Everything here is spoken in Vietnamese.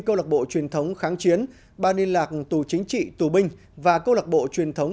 câu lạc bộ truyền thống kháng chiến ban liên lạc tù chính trị tù binh và câu lạc bộ truyền thống